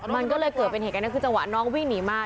มันก็เลยเกิดเป็นเหตุการณ์นั้นคือจังหวะน้องวิ่งหนีมา